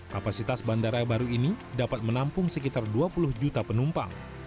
kapasitas bandara baru ini dapat menampung sekitar dua puluh juta penumpang